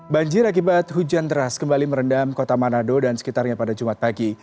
banjir akibat hujan deras kembali merendam kota manado dan sekitarnya pada jumat pagi